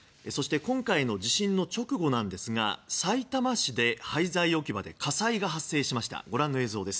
そして今回の地震の直後ですがさいたま市の廃材置き場で火災が発生しました。